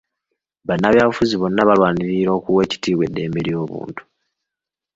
Bannabyabufuzi bonna balwanirira okuwa ekitiibwa eddembe ly'obuntu.